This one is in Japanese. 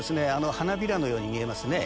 花びらのように見えますね。